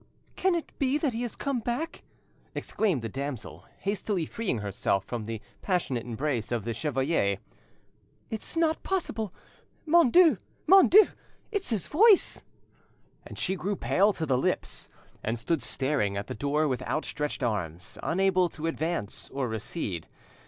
"Can it be that he has come back?" exclaimed the damsel, hastily freeing herself from the passionate embrace of the chevalier. "It's not possible! Mon Dieu! Mon Dieu! it's his voice!" She grew pale to the lips, and stood staring at the door with outstretched arms, unable to advance or recede.